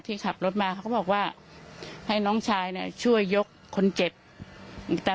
ที่ขับรถมาเขาก็บอกว่าให้น้องชายเนี่ยช่วยยกคนเจ็บแต่